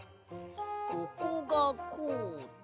ここがこうで。